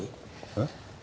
えっ？